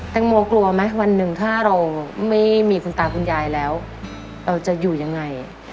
กลัวไหมวันหนึ่งถ้าเราไม่มีคุณตาคุณยายแล้วเราจะอยู่ยังไง